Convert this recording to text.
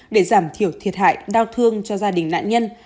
để giảm thiểu thiệt hại đau thương cho gia đình nạn nhân